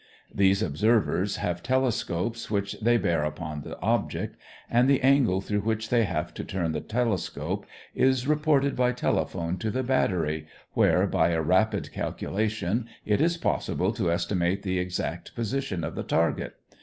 These observers have telescopes which they bear upon the object, and the angle through which they have to turn the telescope is reported by telephone to the battery, where, by a rapid calculation, it is possible to estimate the exact position of the target.